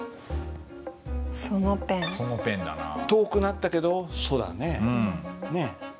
遠くなったけど「そ」だね。